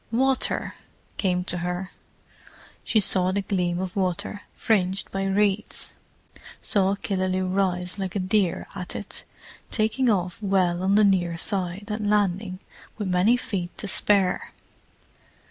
"Water!" came to her. She saw the gleam of water, fringed by reeds: saw Killaloe rise like a deer at it, taking off well on the near side, and landing with many feet to spare.